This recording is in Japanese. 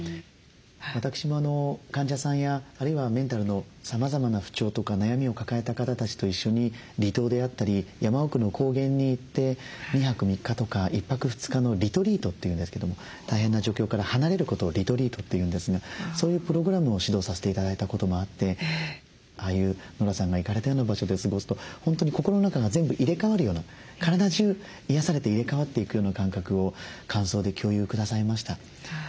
私も患者さんやあるいはメンタルのさまざまな不調とか悩みを抱えた方たちと一緒に離島であったり山奥の高原に行って２泊３日とか１泊２日のリトリートというんですけども大変な状況から離れることをリトリートというんですがそういうプログラムを指導させて頂いたこともあってああいうノラさんが行かれたような場所で過ごすと本当に心の中が全部入れ替わるような体中癒やされて入れ替わっていくような感覚を感想で共有くださいました。